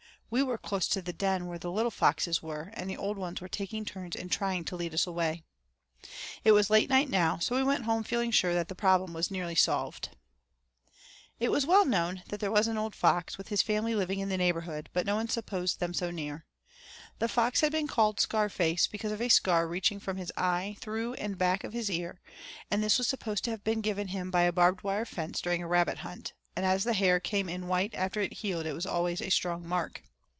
We were close to the den where the little foxes were, and the old ones were taking turns in trying to lead us away. It was late night now, so we went home feeling sure that the problem was nearly solved. II It was well known that there was an old fox with his family living in the neighborhood, but no one supposed them so near. This fox had been called 'Scarface,' because of a scar reaching from his eye through and back of his ear; this was supposed to have been given him by a barbed wire fence during a rabbit hunt, and as the hair came in white after it healed it was always a strong mark.